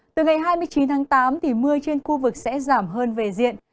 từ ngày hai mươi chín tháng tám mưa trên khu vực sẽ giảm hơn về diện